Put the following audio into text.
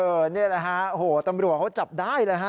เออนี่แหละครับโหตำรวจเขาจับได้เลย